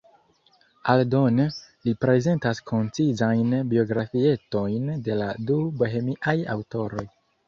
Aldone, li prezentas koncizajn biografietojn de la du bohemiaj aŭtoroj.